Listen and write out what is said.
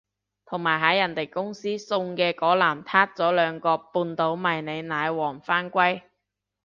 同埋喺人哋公司送嘅嗰籃撻咗兩個半島迷你奶黃返歸